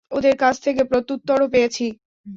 ওদের কাছ থেকে প্রত্যুত্তরও পেয়েছি।